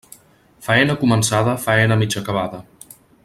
Faena començada, faena mig acabada.